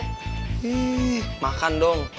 hih makan dong